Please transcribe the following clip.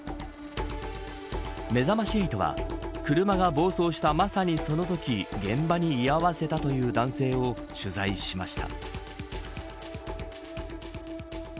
めざまし８は車が暴走した、まさにそのとき現場に居合わせたという男性を取材しました。